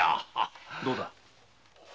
どうだ？